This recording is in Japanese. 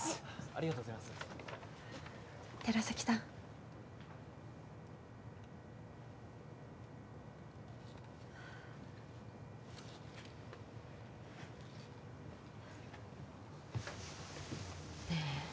ありがとうございます寺崎さんねえ